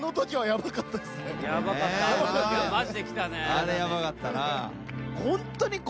あれヤバかったな。